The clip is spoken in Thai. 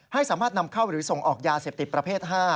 ให้สามารถนำเข้าหรือส่งออกยาเสพติดประเภท๕